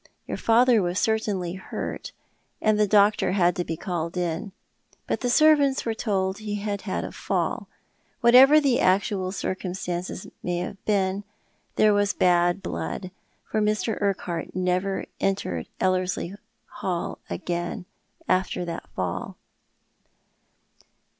Your father was certainly hurt, and the doctor had to be called in ; but the servants were told he had had a fall. Whatever the actual circumstances may have been, there was bad blood, for Mr. Urquhart never entered Ellerslie House again — after that fall."